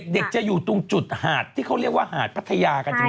เด็กจะอยู่ตรงจุดหาดที่เขาเรียกว่าหาดพัทยากันจริง